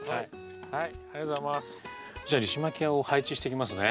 じゃあリシマキアを配置していきますね。